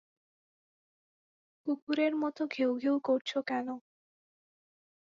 কুকুরের মত ঘেউ ঘেউ করছ কেন?